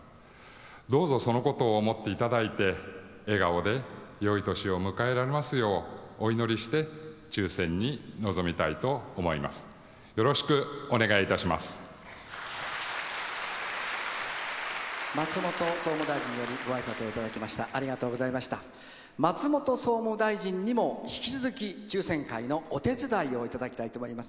どうぞそのことを思っていただいて笑顔でよい年を迎えられますよう、お祈りして抽せんに臨みたいと思います。